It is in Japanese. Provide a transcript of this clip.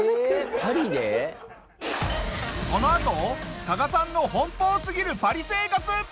このあと加賀さんの奔放すぎるパリ生活！